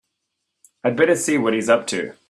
I'd better see what he's up to.